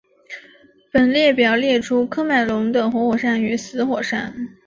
本列表列出喀麦隆的活火山与死火山。